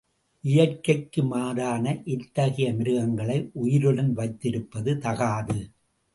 இயற்கைக்கு மாறான இத்தகைய மிருகங்களை உயிருடன் வைத்திருப்பது தகாது.